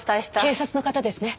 警察の方ですね。